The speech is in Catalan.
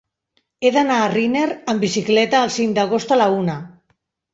He d'anar a Riner amb bicicleta el cinc d'agost a la una.